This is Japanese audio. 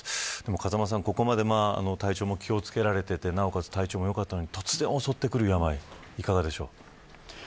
風間さん、ここまで体調も気をつけられていて体調が良かったのに突然襲ってくる病いかがでしょうか。